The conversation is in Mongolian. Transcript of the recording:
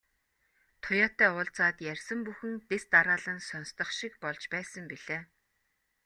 Туяатай уулзаад ярьсан бүхэн дэс дараалан сонстох шиг болж байсан билээ.